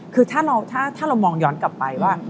คือถ้าเรามองย้อนกลับไปว่า